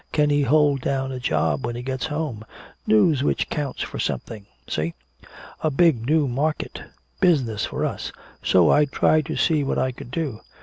Can he hold down a job when he gets home? News which counts for something! See? A big new market! Business for us! So I tried to see what I could do!"